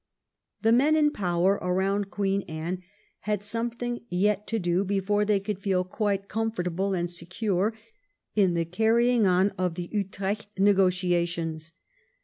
The men in power around Queen Anne had some thing yet to do before they could feel quite comfort able and secure in the carrying on of the Utrecht negotiations.